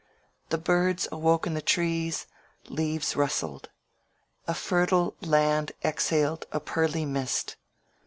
The birds awoke in the trees; leaves rustled. The fertile land exhaled a pearly mist.